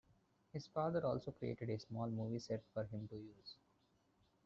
His father also created a small movie set for him to use.